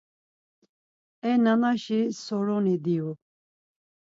E nanaşi soruni diyu.